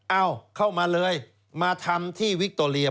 เข้ามาเลยมาทำที่วิคโตเรีย